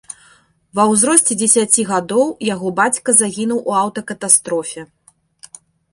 Ва ўзросце дзесяці гадоў яго бацька загінуў у аўтакатастрофе.